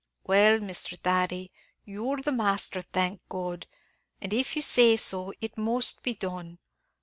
"Well, Misthur Thady, you're the masthur, thank God, an' if you say so, it must be done.